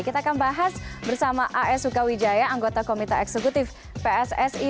kita akan bahas bersama as sukawijaya anggota komite eksekutif pssi